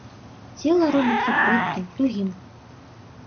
Цела робіцца пруткім, тугім.